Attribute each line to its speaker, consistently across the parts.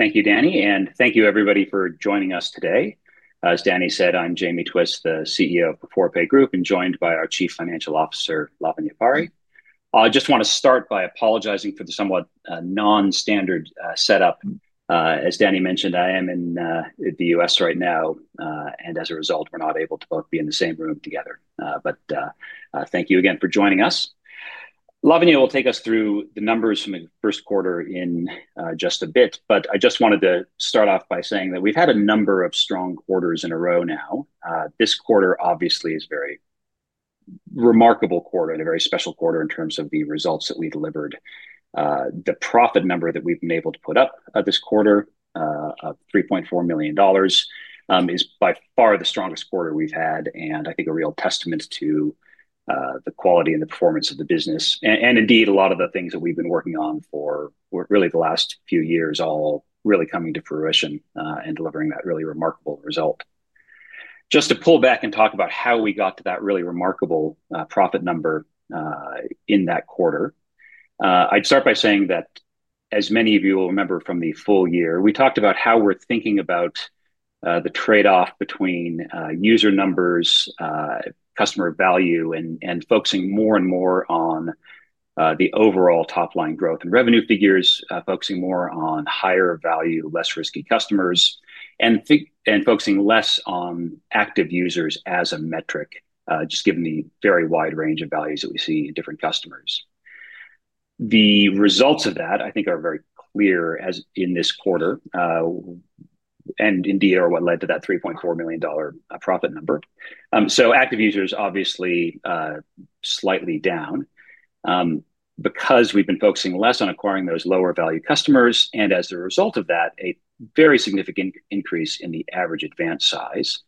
Speaker 1: Thank you, Danny, and thank you, everybody, for joining us today. As Danny said, I'm Jamie Twiss, the CEO of Beforepay Group Limited, and joined by our Chief Financial Officer, Laavanya Pari. I just want to start by apologizing for the somewhat nonstandard setup. As Danny mentioned, I am in the U.S. right now, and as a result, we're not able to both be in the same room together. Thank you again for joining us. Laavanya will take us through the numbers from the first quarter in just a bit, but I just wanted to start off by saying that we've had a number of strong quarters in a row now. This quarter, obviously, is a very remarkable quarter and a very special quarter in terms of the results that we delivered. The profit number that we've been able to put up this quarter, $3.4 million, is by far the strongest quarter we've had, and I think a real testament to the quality and the performance of the business. Indeed, a lot of the things that we've been working on for really the last few years are all really coming to fruition and delivering that really remarkable result. Just to pull back and talk about how we got to that really remarkable profit number in that quarter, I'd start by saying that, as many of you will remember from the full year, we talked about how we're thinking about the trade-off between user numbers, customer value, and focusing more and more on the overall top-line growth and revenue figures, focusing more on higher value, less risky customers, and focusing less on active users as a metric, just given the very wide range of values that we see in different customers. The results of that, I think, are very clear in this quarter, and indeed are what led to that $3.4 million profit number. Active users, obviously, slightly down because we've been focusing less on acquiring those lower value customers, and as a result of that, a very significant increase in the average advance size.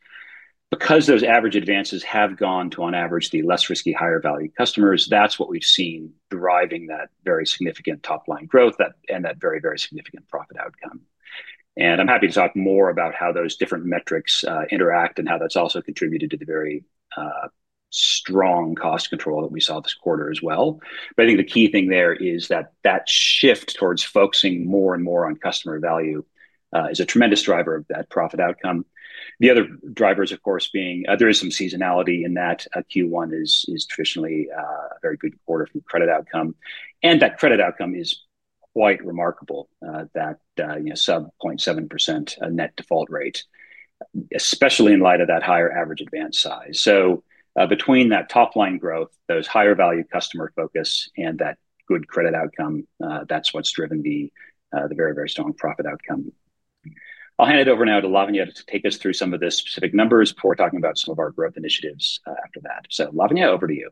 Speaker 1: Because those average advances have gone to, on average, the less risky, higher value customers, that's what we've seen driving that very significant top-line growth and that very, very significant profit outcome. I'm happy to talk more about how those different metrics interact and how that's also contributed to the very strong cost control that we saw this quarter as well. I think the key thing there is that that shift towards focusing more and more on customer value is a tremendous driver of that profit outcome. The other drivers, of course, being there is some seasonality in that. Q1 is traditionally a very good quarter from credit outcome, and that credit outcome is quite remarkable, that sub-0.7% net default rate, especially in light of that higher average advance size. Between that top-line growth, those higher value customer focus, and that good credit outcome, that's what's driven the very, very strong profit outcome. I'll hand it over now to Laavanya to take us through some of the specific numbers before talking about some of our growth initiatives after that. Laavanya, over to you.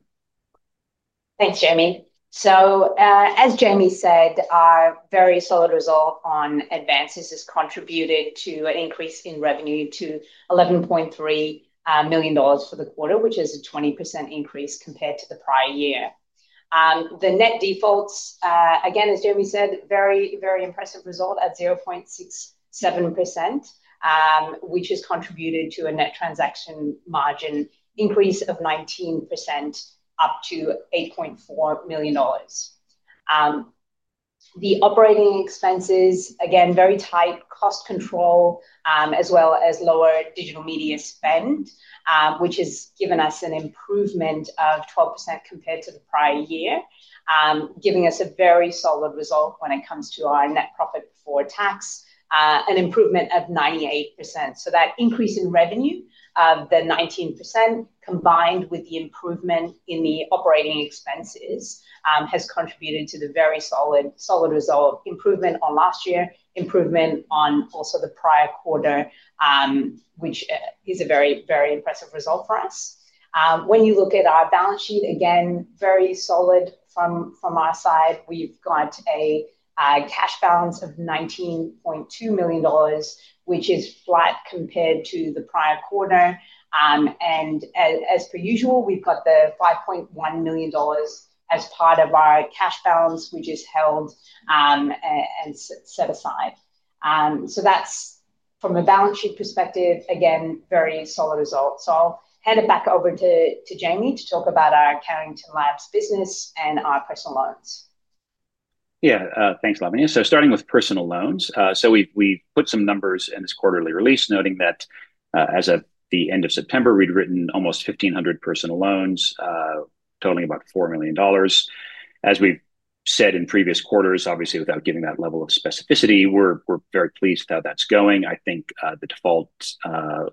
Speaker 2: Thanks, Jamie. As Jamie said, a very solid result on advances has contributed to an increase in revenue to $11.3 million for the quarter, which is a 20% increase compared to the prior year. The net defaults, again, as Jamie said, a very, very impressive result at 0.67%, which has contributed to a net transaction margin increase of 19% up to $8.4 million. The operating expenses, again, very tight cost control, as well as lower digital media spend, which has given us an improvement of 12% compared to the prior year, giving us a very solid result when it comes to our net profit before tax, an improvement of 98%. That increase in revenue, the 19%, combined with the improvement in the operating expenses, has contributed to the very solid result, improvement on last year, improvement on also the prior quarter, which is a very, very impressive result for us. When you look at our balance sheet, again, very solid from our side. We've got a cash balance of $19.2 million, which is flat compared to the prior quarter. As per usual, we've got the $5.1 million as part of our cash balance, which is held and set aside. From a balance sheet perspective, again, very solid results. I'll hand it back over to Jamie to talk about our Carrington Labs business and our personal loans.
Speaker 1: Yeah, thanks, Laavanya. Starting with personal loans, we've put some numbers in this quarterly release noting that as of the end of September, we'd written almost 1,500 personal loans, totaling about $4 million. As we've said in previous quarters, obviously, without giving that level of specificity, we're very pleased with how that's going. I think the default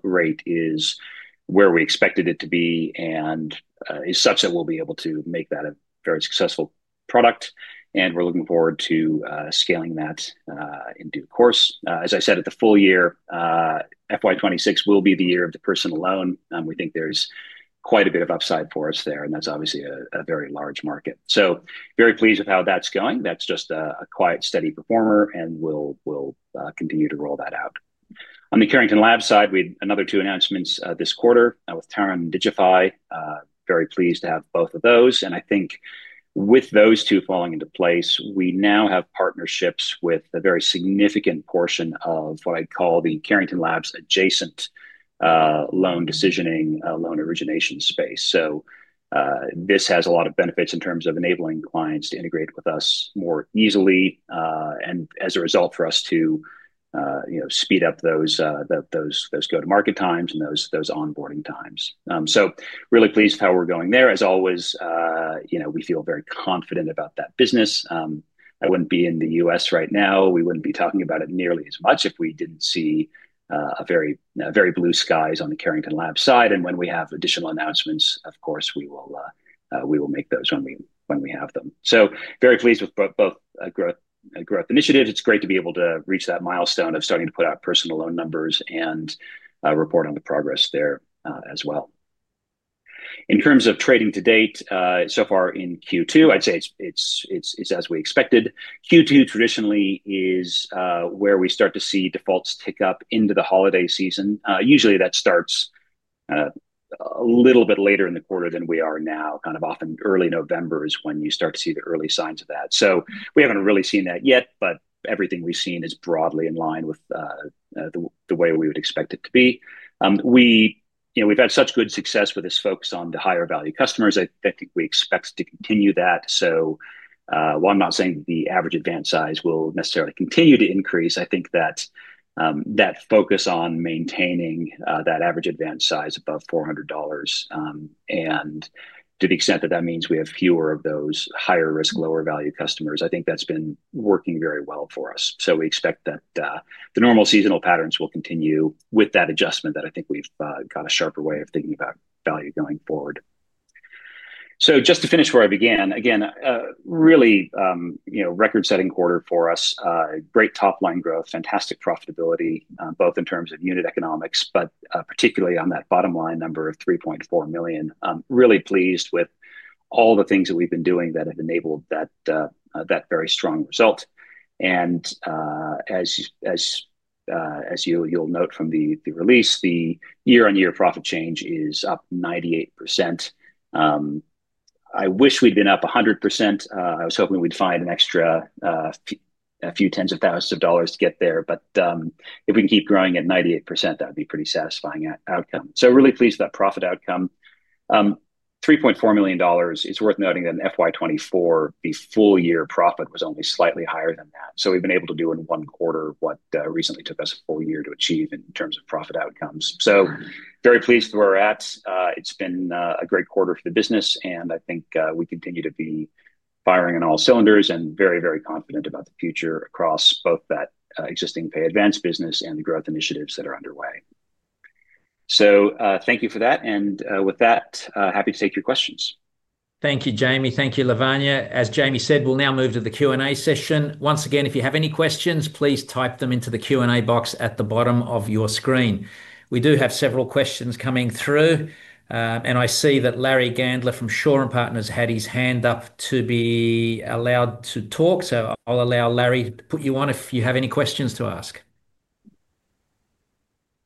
Speaker 1: rate is where we expected it to be and is such that we'll be able to make that a very successful product. We're looking forward to scaling that in due course. As I said at the full year, FY 2026 will be the year of the personal loan. We think there's quite a bit of upside for us there, and that's obviously a very large market. Very pleased with how that's going. That's just a quiet, steady performer, and we'll continue to roll that out. On the Carrington Labs side, we had another two announcements this quarter with Taran and Digifi. Very pleased to have both of those. I think with those two falling into place, we now have partnerships with a very significant portion of what I'd call the Carrington Labs adjacent loan decisioning, loan origination space. This has a lot of benefits in terms of enabling clients to integrate with us more easily and as a result for us to speed up those go-to-market times and those onboarding times. Really pleased with how we're going there. As always, we feel very confident about that business. I wouldn't be in the U.S. right now. We wouldn't be talking about it nearly as much if we didn't see very blue skies on the Carrington Labs side. When we have additional announcements, of course, we will make those when we have them. Very pleased with both growth initiatives. It's great to be able to reach that milestone of starting to put out personal loan numbers and report on the progress there as well. In terms of trading to date so far in Q2, I'd say it's as we expected. Q2 traditionally is where we start to see defaults tick up into the holiday season. Usually, that starts a little bit later in the quarter than we are now. Often early November is when you start to see the early signs of that. We haven't really seen that yet, but everything we've seen is broadly in line with the way we would expect it to be. We've had such good success with this focus on the higher value customers. I think we expect to continue that. While I'm not saying that the average advance size will necessarily continue to increase, I think that focus on maintaining that average advance size above $400, and to the extent that that means we have fewer of those higher risk, lower value customers, I think that's been working very well for us. We expect that the normal seasonal patterns will continue with that adjustment, and I think we've got a sharper way of thinking about value going forward. Just to finish where I began, again, really record-setting quarter for us. Great top-line growth, fantastic profitability, both in terms of unit economics, but particularly on that bottom line number of $3.4 million. Really pleased with all the things that we've been doing that have enabled that very strong result. As you'll note from the release, the year-on-year profit change is up 98%. I wish we'd been up 100%. I was hoping we'd find an extra few tens of thousands of dollars to get there. If we can keep growing at 98%, that would be a pretty satisfying outcome. Really pleased with that profit outcome. $3.4 million. It's worth noting that in FY 2024, the full year profit was only slightly higher than that. We've been able to do in one quarter what recently took us a full year to achieve in terms of profit outcomes. Very pleased where we're at. It's been a great quarter for the business, and I think we continue to be firing on all cylinders and very, very confident about the future across both that existing pay advance business and the growth initiatives that are underway. Thank you for that. With that, happy to take your questions.
Speaker 3: Thank you, Jamie. Thank you, Laavanya. As Jamie said, we'll now move to the Q&A session. Once again, if you have any questions, please type them into the Q&A box at the bottom of your screen. We do have several questions coming through. I see that Larry Gandler from Shaw and Partners had his hand up to be allowed to talk. I'll allow Larry to put you on if you have any questions to ask.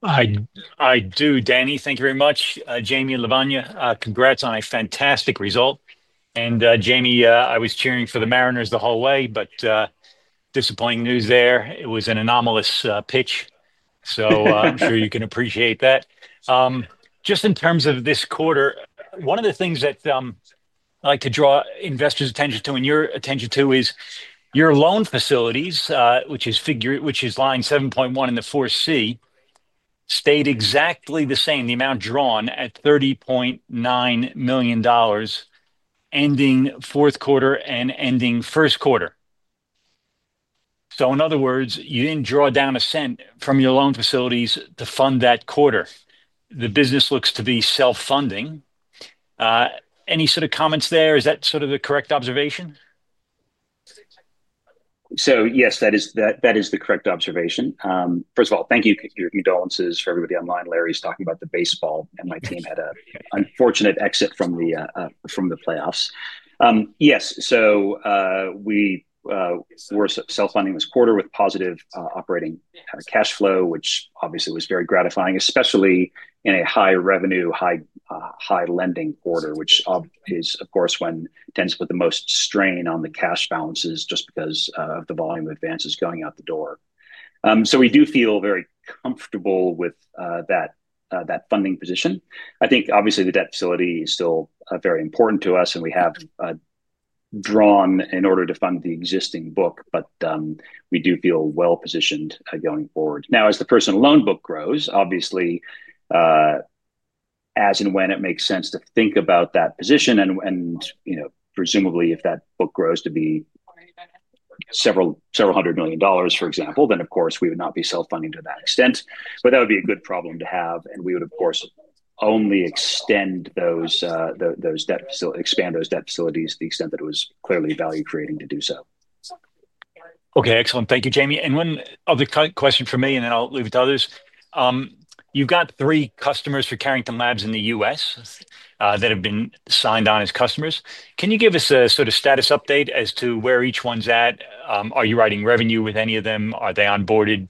Speaker 4: I do, Danny. Thank you very much. Jamie and Laavanya, congrats on a fantastic result. Jamie, I was cheering for the Mariners the whole way, but disappointing news there. It was an anomalous pitch. I'm sure you can appreciate that. Just in terms of this quarter, one of the things that I like to draw investors' attention to and your attention to is your loan facilities, which is line 7.1 in the 4C, stayed exactly the same, the amount drawn at $30.9 million, ending fourth quarter and ending first quarter. In other words, you didn't draw down a cent from your loan facilities to fund that quarter. The business looks to be self-funding. Any sort of comments there? Is that sort of the correct observation?
Speaker 1: Yes, that is the correct observation. First of all, thank you for your condolences for everybody online. Larry is talking about the baseball, and my team had an unfortunate exit from the playoffs. Yes, we were self-funding this quarter with positive operating cash flow, which obviously was very gratifying, especially in a high revenue, high lending quarter, which is, of course, when it tends to put the most strain on the cash balances just because of the volume of advances going out the door. We do feel very comfortable with that funding position. I think, obviously, the debt facility is still very important to us, and we have drawn in order to fund the existing book, but we do feel well positioned going forward. As the personal loan book grows, obviously, as and when it makes sense to think about that position, and presumably, if that book grows to be several hundred million dollars, for example, then, of course, we would not be self-funding to that extent. That would be a good problem to have, and we would, of course, only expand those debt facilities to the extent that it was clearly value creating to do so.
Speaker 4: Okay, excellent. Thank you, Jamie. One other question from me, then I'll leave it to others. You've got three customers for Carrington Labs in the U.S. that have been signed on as customers. Can you give us a sort of status update as to where each one's at? Are you writing revenue with any of them? Are they onboarded?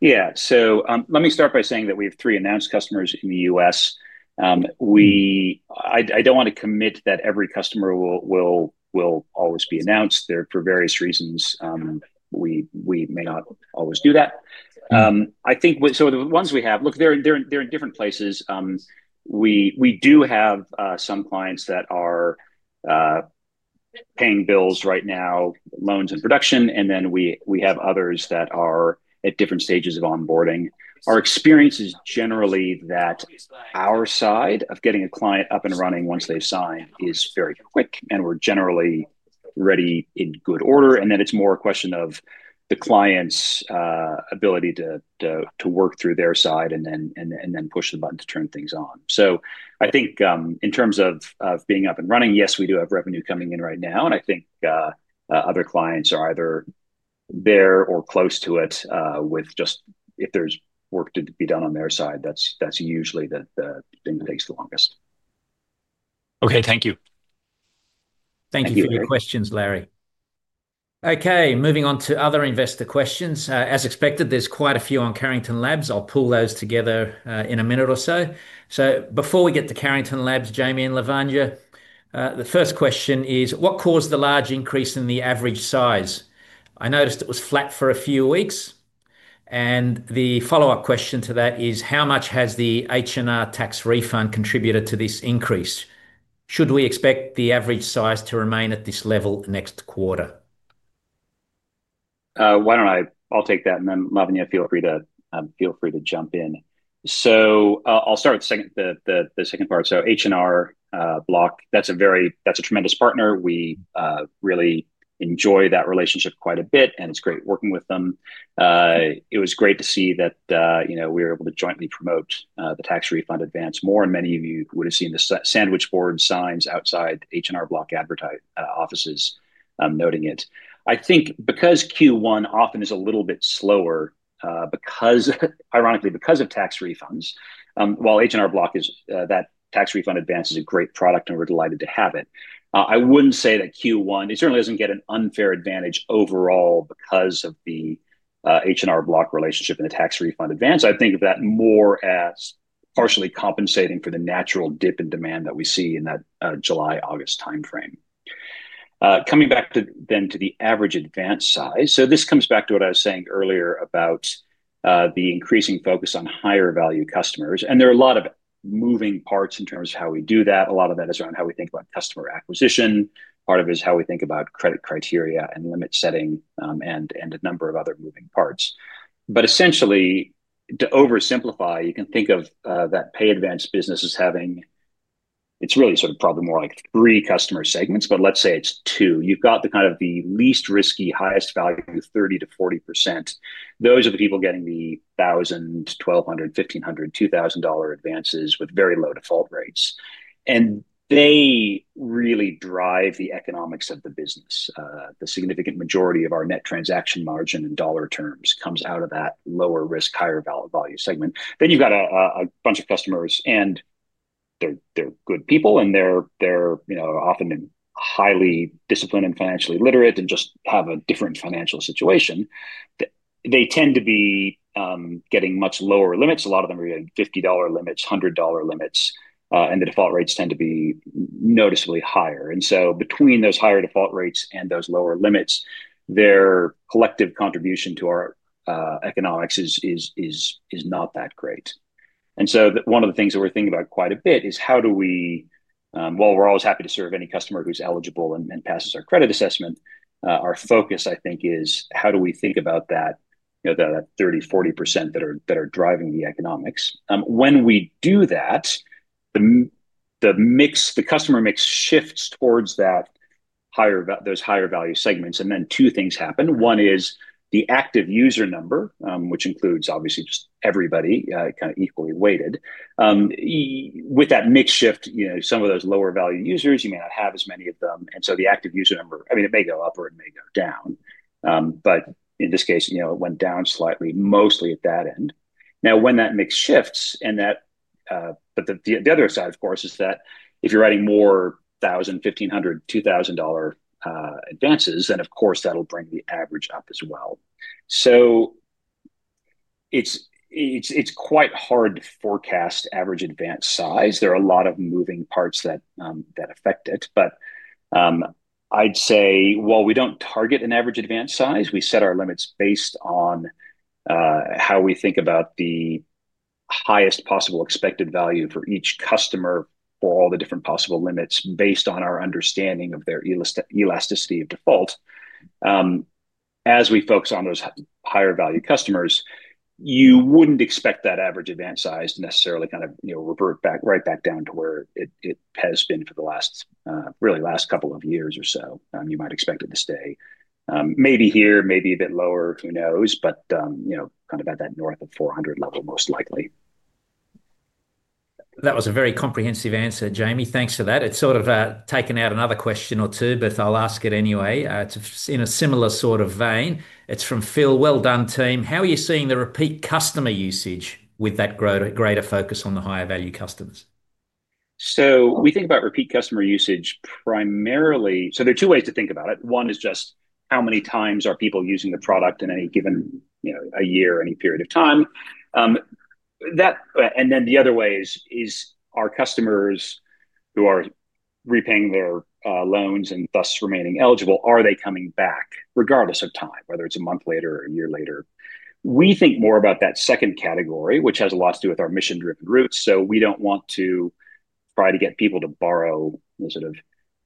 Speaker 1: Let me start by saying that we have three announced customers in the U.S. I don't want to commit that every customer will always be announced, for various reasons, we may not always do that. The ones we have, look, they're in different places. We do have some clients that are paying bills right now, loans in production, and we have others that are at different stages of onboarding. Our experience is generally that our side of getting a client up and running once they've signed is very quick, and we're generally ready in good order. It's more a question of the client's ability to work through their side and then push the button to turn things on. In terms of being up and running, yes, we do have revenue coming in right now. Other clients are either there or close to it. If there's work to be done on their side, that's usually the thing that takes the longest.
Speaker 4: OK, thank you.
Speaker 3: Thank you for your questions, Larry. Moving on to other investor questions. As expected, there's quite a few on Carrington Labs. I'll pull those together in a minute or so. Before we get to Carrington Labs, Jamie and Laavanya, the first question is, what caused the large increase in the average size? I noticed it was flat for a few weeks. The follow-up question to that is, how much has the H&R tax refund contributed to this increase? Should we expect the average size to remain at this level next quarter?
Speaker 1: Why don't I take that, and then, Laavanya, feel free to jump in. I'll start with the second part. H&R Block, that's a tremendous partner. We really enjoy that relationship quite a bit, and it's great working with them. It was great to see that we were able to jointly promote the tax refund advance more. Many of you would have seen the sandwich board signs outside H&R Block offices noting it. I think because Q1 often is a little bit slower, ironically, because of tax refunds, while H&R Block, that tax refund advance is a great product, and we're delighted to have it, I wouldn't say that Q1 certainly doesn't get an unfair advantage overall because of the H&R Block relationship and the tax refund advance. I think of that more as partially compensating for the natural dip in demand that we see in that July-August time frame. Coming back then to the average advance size, this comes back to what I was saying earlier about the increasing focus on higher value customers. There are a lot of moving parts in terms of how we do that. A lot of that is around how we think about customer acquisition. Part of it is how we think about credit criteria and limit setting and a number of other moving parts. Essentially, to oversimplify, you can think of that pay advance business as having, it's really sort of probably more like three customer segments, but let's say it's two. You've got the kind of the least risky, highest value, 30%-40%. Those are the people getting the $1,000, $1,200, $1,500, $2,000 advances with very low default rates. They really drive the economics of the business. The significant majority of our net transaction margin in dollar terms comes out of that lower risk, higher value segment. You've got a bunch of customers, and they're good people, and they're often highly disciplined and financially literate and just have a different financial situation. They tend to be getting much lower limits. A lot of them are getting $50 limits, $100 limits, and the default rates tend to be noticeably higher. Between those higher default rates and those lower limits, their collective contribution to our economics is not that great. One of the things that we're thinking about quite a bit is how do we, while we're always happy to serve any customer who's eligible and passes our credit assessment, our focus, I think, is how do we think about that 30%, 40% that are driving the economics. When we do that, the customer mix shifts towards those higher value segments. Two things happen. One is the active user number, which includes, obviously, just everybody kind of equally weighted. With that mix shift, some of those lower value users, you may not have as many of them. The active user number, I mean, it may go up or it may go down. In this case, it went down slightly, mostly at that end. When that mix shifts, the other side, of course, is that if you're writing more $1,000, $1,500, $2,000 advances, that will bring the average up as well. It's quite hard to forecast average advance size. There are a lot of moving parts that affect it. I'd say, while we don't target an average advance size, we set our limits based on how we think about the highest possible expected value for each customer for all the different possible limits based on our understanding of their elasticity of default. As we focus on those higher value customers, you wouldn't expect that average advance size to necessarily revert right back down to where it has been for the last couple of years or so. You might expect it to stay maybe here, maybe a bit lower, who knows, but kind of at that north of $400 level, most likely.
Speaker 3: That was a very comprehensive answer, Jamie. Thanks for that. It's sort of taken out another question or two, but I'll ask it anyway. It's in a similar sort of vein. It's from Phil. Well done, team. How are you seeing the repeat customer usage with that greater focus on the higher value customers?
Speaker 1: We think about repeat customer usage primarily, so there are two ways to think about it. One is just how many times are people using the product in any given year or any period of time. The other way is, are customers who are repaying their loans and thus remaining eligible, are they coming back regardless of time, whether it's a month later or a year later? We think more about that second category, which has a lot to do with our mission-driven roots. We don't want to try to get people to borrow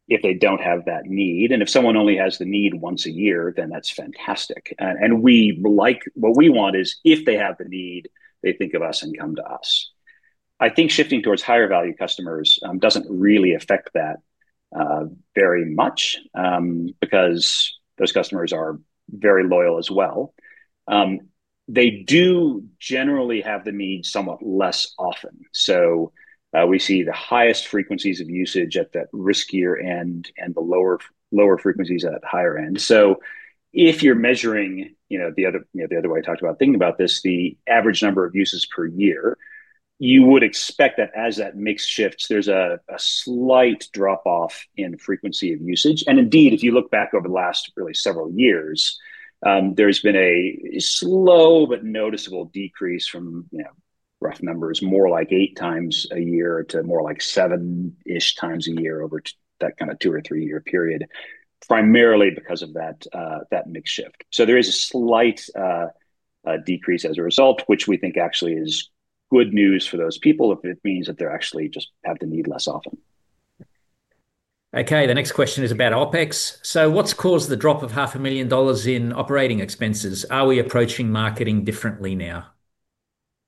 Speaker 1: if they don't have that need. If someone only has the need once a year, then that's fantastic. What we want is if they have the need, they think of us and come to us. I think shifting towards higher value customers doesn't really affect that very much because those customers are very loyal as well. They do generally have the need somewhat less often. We see the highest frequencies of usage at that riskier end and the lower frequencies at that higher end. If you're measuring the other way I talked about thinking about this, the average number of uses per year, you would expect that as that mix shifts, there's a slight drop-off in frequency of usage. Indeed, if you look back over the last really several years, there's been a slow but noticeable decrease from rough numbers, more like 8x a year to more like seven-ish times a year over that kind of two or three-year period, primarily because of that mix shift. There is a slight decrease as a result, which we think actually is good news for those people if it means that they actually just have the need less often.
Speaker 3: Okay, the next question is about OpEx. What's caused the drop of $0.5 million in operating expenses? Are we approaching marketing differently now?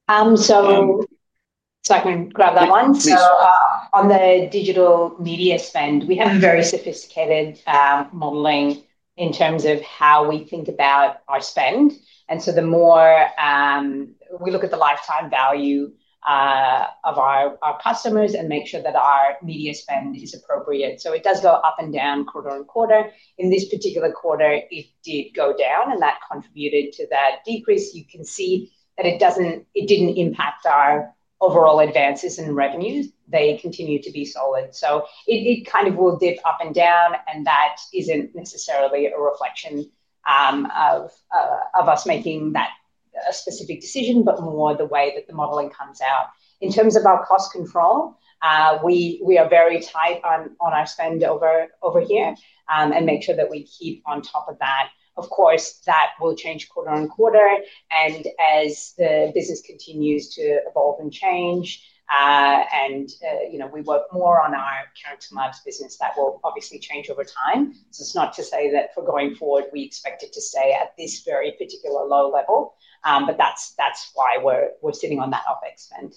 Speaker 2: I can grab that one. On the digital media spend, we have very sophisticated modeling in terms of how we think about our spend. The more we look at the lifetime value of our customers and make sure that our media spend is appropriate, it does go up and down quarter-on-quarter. In this particular quarter, it did go down, and that contributed to that decrease. You can see that it didn't impact our overall advances in revenues. They continue to be solid. It kind of will dip up and down, and that isn't necessarily a reflection of us making that specific decision, but more the way that the modeling comes out. In terms of our cost control, we are very tight on our spend over here and make sure that we keep on top of that. Of course, that will change quarter-on-quarter. As the business continues to evolve and change, and we work more on our Carrington Labs business, that will obviously change over time. It's not to say that for going forward, we expect it to stay at this very particular low level, but that's why we're sitting on that OpEx spend.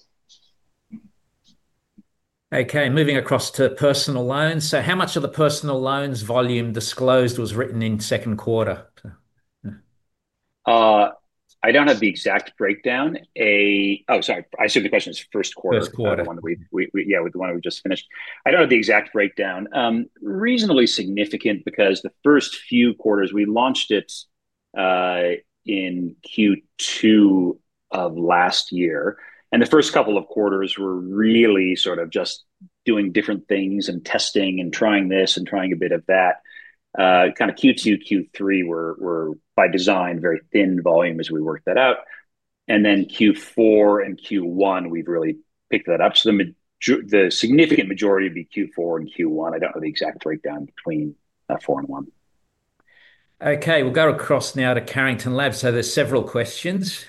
Speaker 3: Okay, moving across to personal loans. How much of the personal loans volume disclosed was written in the second quarter?
Speaker 1: I don't have the exact breakdown. Sorry, I assume the question is first quarter.
Speaker 3: First quarter.
Speaker 1: Yeah, with the one we just finished, I don't have the exact breakdown. Reasonably significant because the first few quarters, we launched it in Q2 of last year, and the first couple of quarters were really sort of just doing different things and testing and trying this and trying a bit of that. Q2 and Q3 were by design very thin volume as we worked that out. Q4 and Q1, we've really picked that up. The significant majority would be Q4 and Q1. I don't know the exact breakdown between four and one.
Speaker 3: Okay, we'll go across now to Carrington Labs. There are several questions.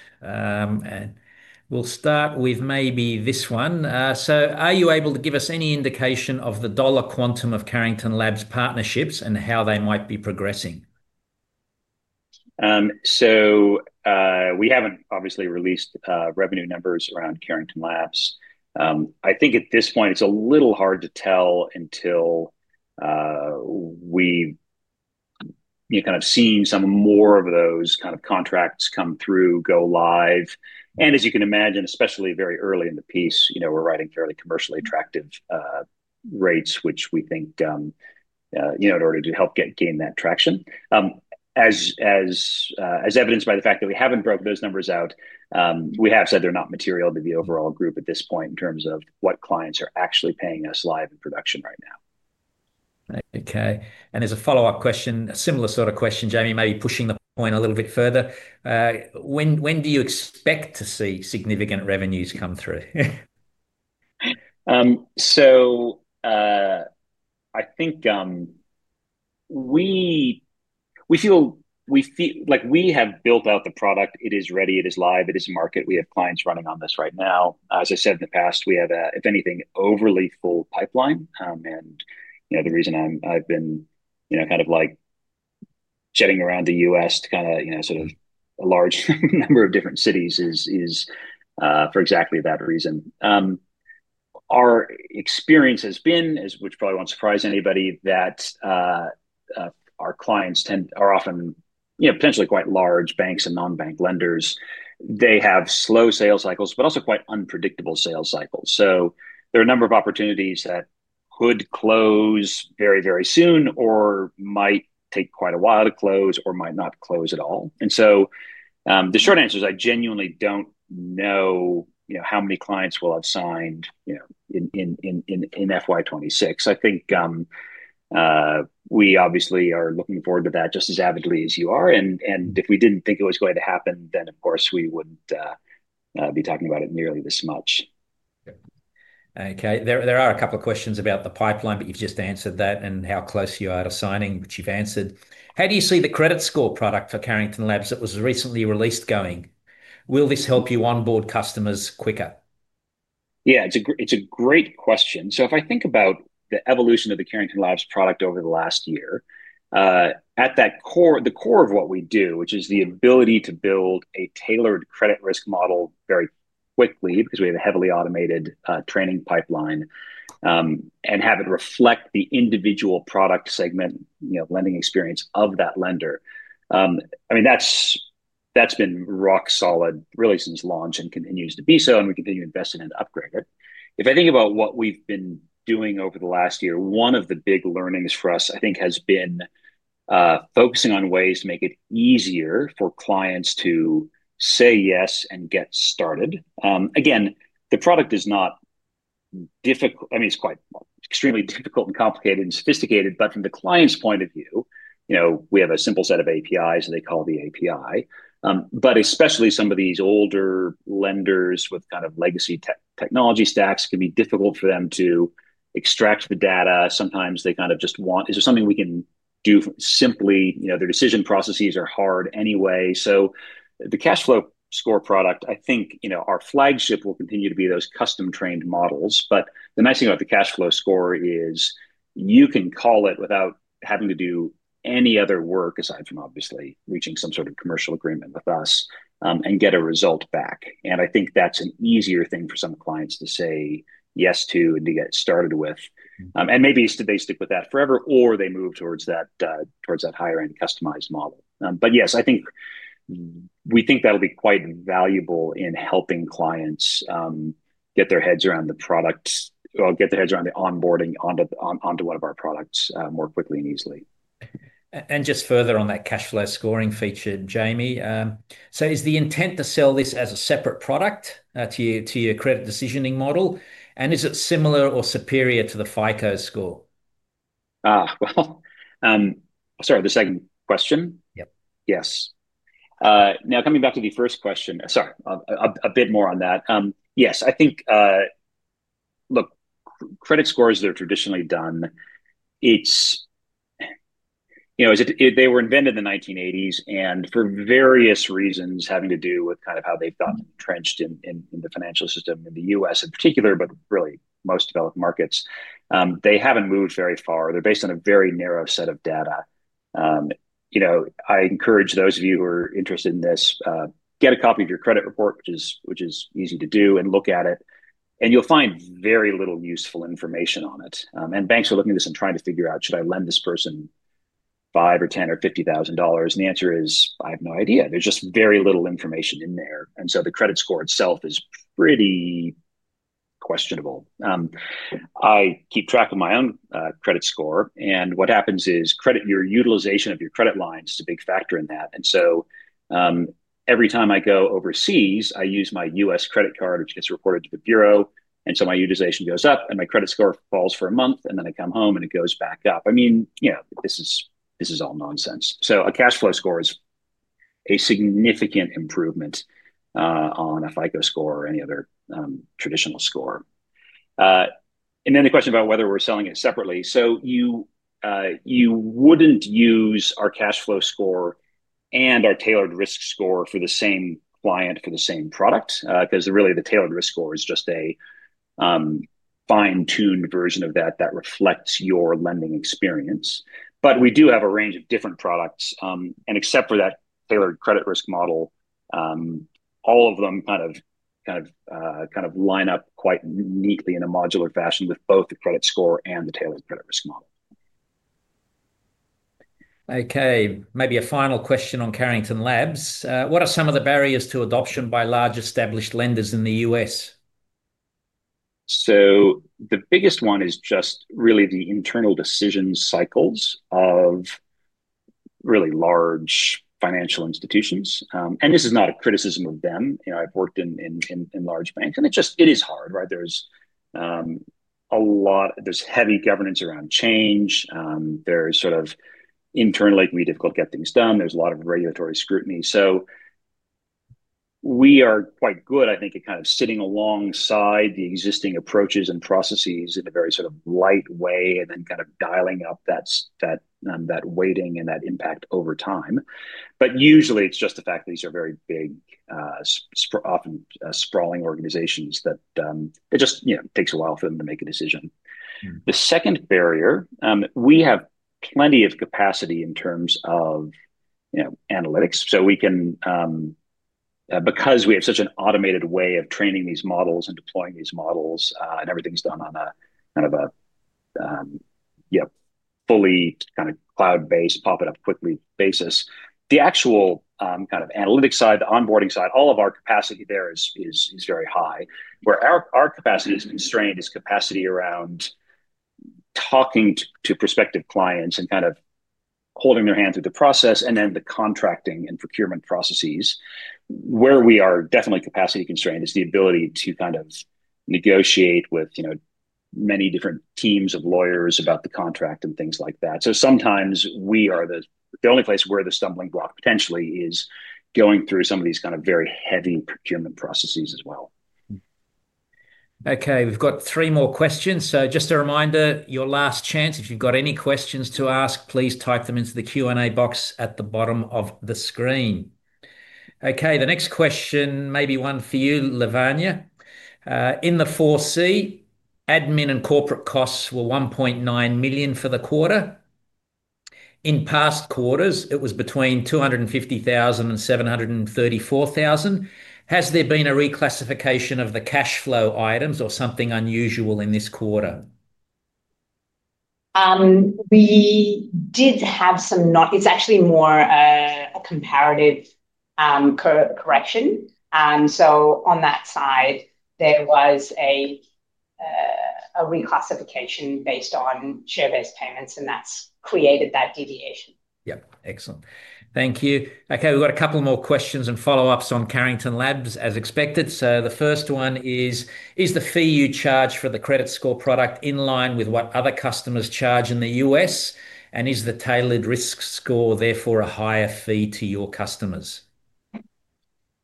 Speaker 3: We'll start with maybe this one. Are you able to give us any indication of the dollar quantum of Carrington Labs partnerships and how they might be progressing?
Speaker 1: We haven't obviously released revenue numbers around Carrington Labs. I think at this point, it's a little hard to tell until we've kind of seen some more of those kind of contracts come through, go live. As you can imagine, especially very early in the piece, we're writing fairly commercially attractive rates, which we think in order to help gain that traction. As evidenced by the fact that we haven't broken those numbers out, we have said they're not material to the overall group at this point in terms of what clients are actually paying us live in production right now.
Speaker 3: Okay, there's a follow-up question, a similar sort of question, Jamie, maybe pushing the point a little bit further. When do you expect to see significant revenues come through?
Speaker 1: I think we feel like we have built out the product. It is ready, it is live, it is market. We have clients running on this right now. As I said in the past, we have a, if anything, overly full pipeline. The reason I've been kind of jetting around the U.S. to sort of a large number of different cities is for exactly that reason. Our experience has been, which probably won't surprise anybody, that our clients tend to be often potentially quite large banks and non-bank lenders. They have slow sales cycles, but also quite unpredictable sales cycles. There are a number of opportunities that could close very, very soon or might take quite a while to close or might not close at all. The short answer is I genuinely don't know how many clients we'll have signed in FY 2026. I think we obviously are looking forward to that just as avidly as you are. If we didn't think it was going to happen, then, of course, we wouldn't be talking about it nearly this much.
Speaker 3: Okay, there are a couple of questions about the pipeline, but you've just answered that and how close you are to signing, which you've answered. How do you see the credit score product for Carrington Labs that was recently released going? Will this help you onboard customers quicker?
Speaker 1: Yeah, it's a great question. If I think about the evolution of the Carrington Labs product over the last year, at the core of what we do, which is the ability to build a tailored credit risk model very quickly because we have a heavily automated training pipeline and have it reflect the individual product segment lending experience of that lender, that's been rock solid really since launch and continues to be so. We continue to invest in and upgrade it. If I think about what we've been doing over the last year, one of the big learnings for us, I think, has been focusing on ways to make it easier for clients to say yes and get started. The product is not difficult. I mean, it's quite extremely difficult and complicated and sophisticated. From the client's point of view, we have a simple set of APIs, and they call the API. Especially some of these older lenders with kind of legacy technology stacks, it can be difficult for them to extract the data. Sometimes they kind of just want, is there something we can do simply? Their decision processes are hard anyway. The modular cash flow score product, I think our flagship will continue to be those custom-trained models. The nice thing about the modular cash flow score is you can call it without having to do any other work aside from obviously reaching some sort of commercial agreement with us and get a result back. I think that's an easier thing for some clients to say yes to and to get started with. Maybe they stick with that forever or they move towards that higher-end customized model. Yes, I think we think that'll be quite valuable in helping clients get their heads around the product or get their heads around the onboarding onto one of our products more quickly and easily.
Speaker 3: Just further on that cash flow scoring feature, Jamie, is the intent to sell this as a separate product to your credit decisioning model, and is it similar or superior to the FICO score?
Speaker 1: Sorry, the second question.
Speaker 3: Yep.
Speaker 1: Yes. Now, coming back to the first question, sorry, a bit more on that. Yes, I think, look, credit scores that are traditionally done, they were invented in the 1980s. For various reasons having to do with kind of how they've gotten entrenched in the financial system in the U.S. in particular, but really most developed markets, they haven't moved very far. They're based on a very narrow set of data. I encourage those of you who are interested in this, get a copy of your credit report, which is easy to do, and look at it. You'll find very little useful information on it. Banks are looking at this and trying to figure out, should I lend this person $5,000, or $10,000, or $50,000? The answer is, I have no idea. There's just very little information in there. The credit score itself is pretty questionable. I keep track of my own credit score. What happens is your utilization of your credit line is a big factor in that. Every time I go overseas, I use my U.S. credit card, which gets reported to the bureau. My utilization goes up, and my credit score falls for a month. I come home, and it goes back up. I mean, this is all nonsense. A cash flow score is a significant improvement on a FICO score or any other traditional score. The question about whether we're selling it separately. You wouldn't use our cash flow score and our tailored risk score for the same client for the same product because really the tailored risk score is just a fine-tuned version of that that reflects your lending experience. We do have a range of different products. Except for that tailored credit risk model, all of them kind of line up quite neatly in a modular fashion with both the credit score and the tailored credit risk model.
Speaker 3: Okay, maybe a final question on Carrington Labs. What are some of the barriers to adoption by large established lenders in the U.S.?
Speaker 1: The biggest one is just really the internal decision cycles of really large financial institutions. This is not a criticism of them. I've worked in large banks, and it just is hard. There's heavy governance around change. Internally, it can be difficult to get things done. There's a lot of regulatory scrutiny. We are quite good, I think, at kind of sitting alongside the existing approaches and processes in a very sort of light way and then kind of dialing up that weighting and that impact over time. Usually, it's just the fact that these are very big, often sprawling organizations that it just takes a while for them to make a decision. The second barrier, we have plenty of capacity in terms of analytics. Because we have such an automated way of training these models and deploying these models, and everything's done on a kind of a fully kind of cloud-based, pop-it-up-quickly basis, the actual analytic side, the onboarding side, all of our capacity there is very high. Where our capacity is constrained is capacity around talking to prospective clients and kind of holding their hand through the process and then the contracting and procurement processes. Where we are definitely capacity constrained is the ability to kind of negotiate with many different teams of lawyers about the contract and things like that. Sometimes we are the only place where the stumbling block potentially is going through some of these kind of very heavy procurement processes as well.
Speaker 3: Okay, we've got three more questions. Just a reminder, your last chance. If you've got any questions to ask, please type them into the Q&A box at the bottom of the screen. The next question, maybe one for you, Laavanya. In the 4C, admin and corporate costs were $1.9 million for the quarter. In past quarters, it was between $250,000 and $734,000. Has there been a reclassification of the cash flow items or something unusual in this quarter?
Speaker 2: We did have some, it's actually more a comparative correction. On that side, there was a reclassification based on share-based payments, and that's created that deviation.
Speaker 3: Thank you. Ok, we've got a couple more questions and follow-ups on Carrington Labs, as expected. The first one is, is the fee you charge for the credit score product in line with what other customers charge in the U.S.? Is the tailored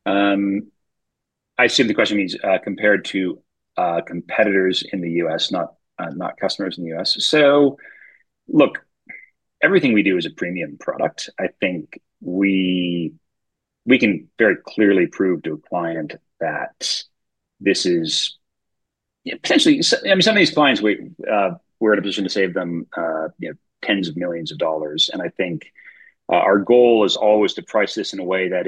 Speaker 3: risk score therefore a higher fee to your customers?
Speaker 1: I assume the question means compared to competitors in the U.S., not customers in the U.S. Look, everything we do is a premium product. I think we can very clearly prove to a client that this is potentially, I mean, some of these clients, we're in a position to save them tens of millions of dollars. I think our goal is always to price this in a way that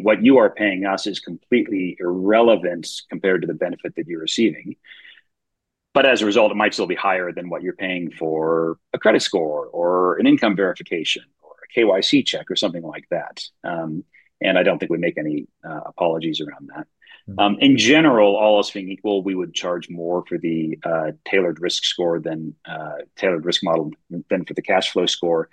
Speaker 1: what you are paying us is completely irrelevant compared to the benefit that you're receiving. As a result, it might still be higher than what you're paying for a credit score or an income verification or a KYC check or something like that. I don't think we make any apologies around that. In general, all else being equal, we would charge more for the tailored risk score than tailored risk model than for the cash flow score.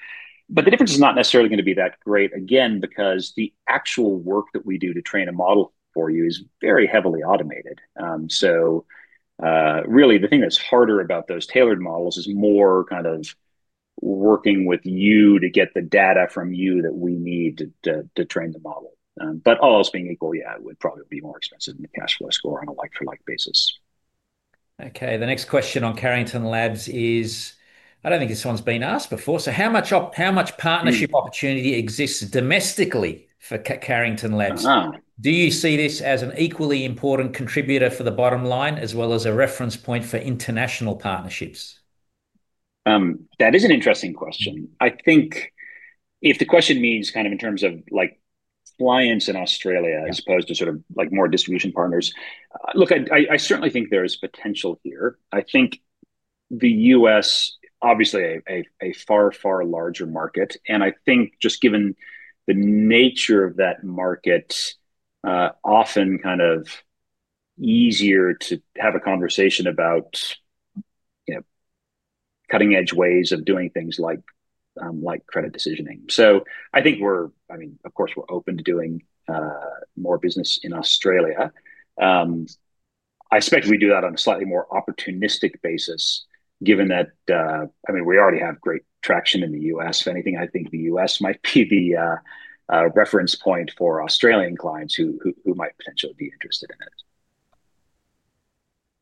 Speaker 1: The difference is not necessarily going to be that great, again, because the actual work that we do to train a model for you is very heavily automated. Really, the thing that's harder about those tailored models is more kind of working with you to get the data from you that we need to train the model. All else being equal, yeah, it would probably be more expensive than the cash flow score on a like-for-like basis.
Speaker 3: Ok, the next question on Carrington Labs is, I don't think this one's been asked before. How much partnership opportunity exists domestically for Carrington Labs? Do you see this as an equally important contributor for the bottom line as well as a reference point for international partnerships?
Speaker 1: That is an interesting question. I think if the question means kind of in terms of clients in Australia as opposed to more distribution partners, look, I certainly think there is potential here. I think the U.S., obviously, a far, far larger market. I think just given the nature of that market, often kind of easier to have a conversation about cutting-edge ways of doing things like credit decisioning. I think we're, of course, open to doing more business in Australia. I expect we do that on a slightly more opportunistic basis, given that we already have great traction in the U.S. If anything, I think the U.S. might be the reference point for Australian clients who might potentially be interested in it.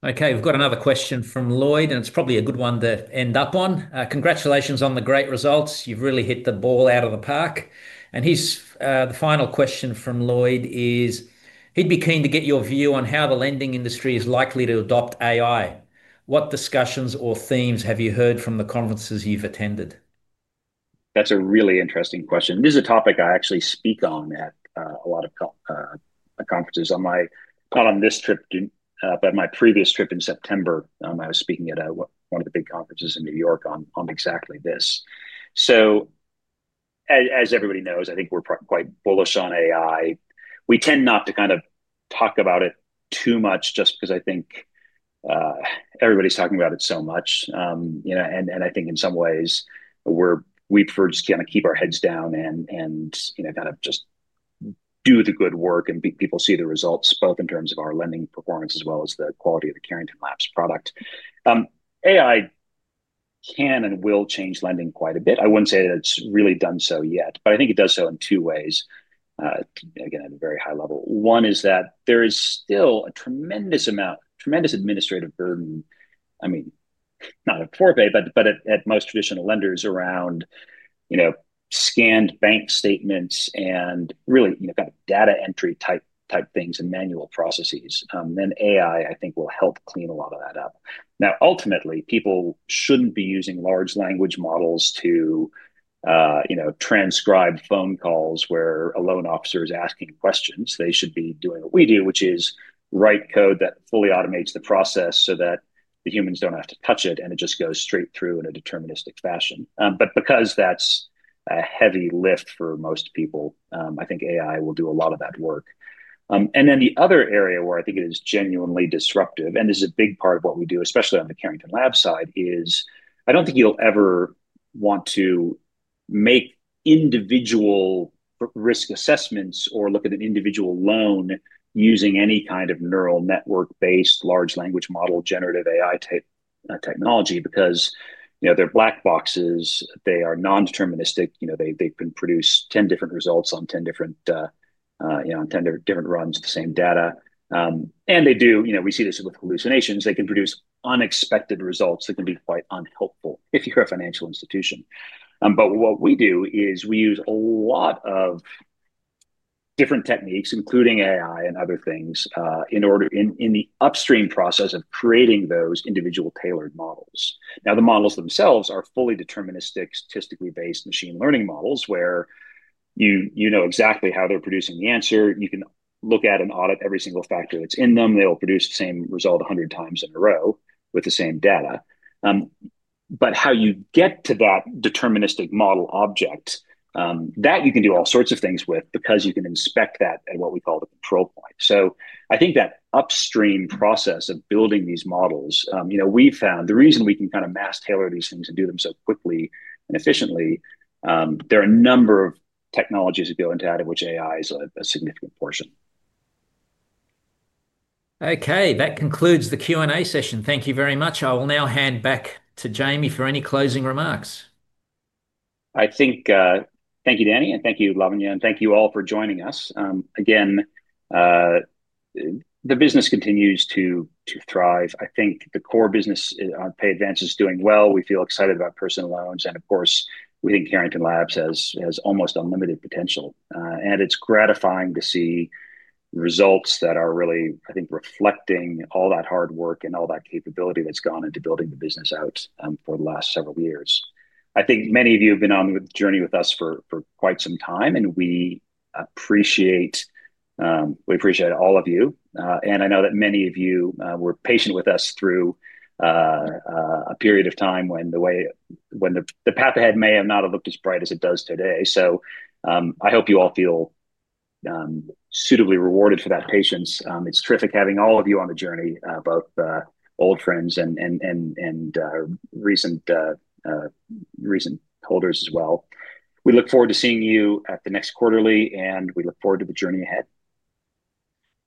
Speaker 3: Ok, we've got another question from Lloyd, and it's probably a good one to end up on. Congratulations on the great results. You've really hit the ball out of the park. The final question from Lloyd is, he'd be keen to get your view on how the lending industry is likely to adopt AI. What discussions or themes have you heard from the conferences you've attended?
Speaker 1: That's a really interesting question. This is a topic I actually speak on at a lot of conferences. I'm not on this trip, but my previous trip in September, I was speaking at one of the big conferences in New York on exactly this. As everybody knows, I think we're quite bullish on AI. We tend not to kind of talk about it too much just because I think everybody's talking about it so much. In some ways, we prefer to just kind of keep our heads down and kind of just do the good work and make people see the results, both in terms of our lending performance as well as the quality of the Carrington Labs product. AI can and will change lending quite a bit. I wouldn't say that it's really done so yet. I think it does so in two ways, again, at a very high level. One is that there is still a tremendous amount, tremendous administrative burden, I mean, not at Beforepay, but at most traditional lenders around scanned bank statements and really kind of data entry type things and manual processes. AI, I think, will help clean a lot of that up. Ultimately, people shouldn't be using large language models to transcribe phone calls where a loan officer is asking questions. They should be doing what we do, which is write code that fully automates the process so that the humans don't have to touch it, and it just goes straight through in a deterministic fashion. Because that's a heavy lift for most people, I think AI will do a lot of that work. The other area where I think it is genuinely disruptive and is a big part of what we do, especially on the Carrington Labs side, is I don't think you'll ever want to make individual risk assessments or look at an individual loan using any kind of neural network-based large language model generative AI type technology because they're black boxes. They are non-deterministic. They can produce 10 different results on 10 different runs of the same data. We see this with hallucinations. They can produce unexpected results that can be quite unhelpful if you're a financial institution. What we do is we use a lot of different techniques, including AI and other things, in the upstream process of creating those individual tailored models. The models themselves are fully deterministic, statistically-based machine learning models where you know exactly how they're producing the answer. You can look at and audit every single factor that's in them. They will produce the same result 100x in a row with the same data. How you get to that deterministic model object, you can do all sorts of things with because you can inspect that at what we call the control point. I think that upstream process of building these models, we've found the reason we can kind of mass tailor these things and do them so quickly and efficiently, there are a number of technologies that go into that, of which AI is a significant portion.
Speaker 3: Ok, that concludes the Q&A session. Thank you very much. I will now hand back to Jamie for any closing remarks.
Speaker 1: Thank you, Danny, and thank you, Laavanya, and thank you all for joining us. The business continues to thrive. I think the core business on pay advance is doing well. We feel excited about personal loans. Of course, we think Carrington Labs has almost unlimited potential. It is gratifying to see results that are really reflecting all that hard work and all that capability that's gone into building the business out for the last several years. Many of you have been on the journey with us for quite some time, and we appreciate all of you. I know that many of you were patient with us through a period of time when the path ahead may have not looked as bright as it does today. I hope you all feel suitably rewarded for that patience. It's terrific having all of you on the journey, both old friends and recent holders as well. We look forward to seeing you at the next quarterly, and we look forward to the journey ahead.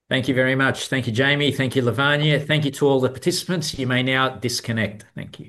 Speaker 3: Thank you very much. Thank you, Jamie. Thank you, Lavanya. Thank you to all the participants. You may now disconnect. Thank you.